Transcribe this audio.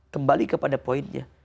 kembali kepada poinnya